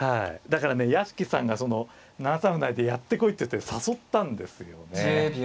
だからね屋敷さんがその７三歩成でやってこいって誘ったんですよね。